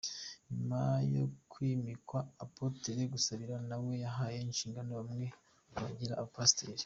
Nyuma yo kwimikwa Apotre Gasabira na we yahaye inshingano bamwe abagira abapasiteri.